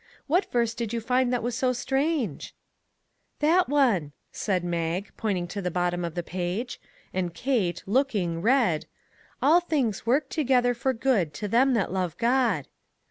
What verse did you find that was so strange ?"" That one," said Mag, pointing to the bot tom of the page, and Kate, looking, read :" All things work together for good to them that love God."